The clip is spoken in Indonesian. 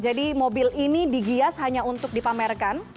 jadi mobil ini digias hanya untuk dipamerkan